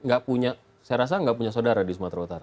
saya rasa nggak punya saudara di sumatera utara